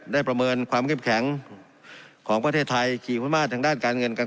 ได้ประเมินความเก็บแข็งของประเทศไทยกี่พอมาดทางด้านการเงินกลาง